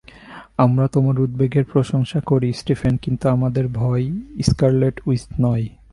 আমরা তোমার উদ্বেগের প্রশংসা করি, স্টিফেন, কিন্তু আমাদের ভয় স্কারলেট উইচ নয়।